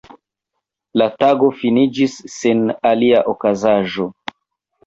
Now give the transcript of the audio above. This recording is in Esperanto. La tago finiĝis sen alia okazaĵo.